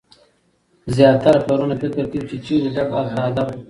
زیاتره پلرونه فکر کوي، چي چيري ډب هلته ادب.